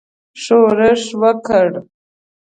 ښورښ وکړ.